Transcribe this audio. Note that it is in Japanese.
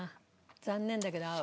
残念だけど合う。